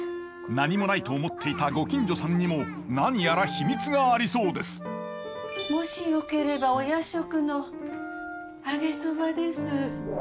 何もないと思っていたご近所さんにも何やら秘密がありそうですもしよければお夜食の揚げそばです。